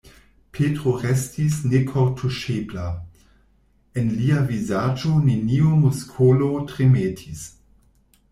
Petro restis nekortuŝebla: en lia vizaĝo neniu muskolo tremetis.